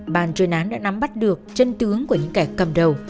bàn chuyên án đã nắm bắt được chân tướng của những kẻ cầm đầu